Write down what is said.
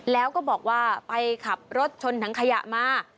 แล้วก็บอกว่าไปขับรถชนถังขยะมา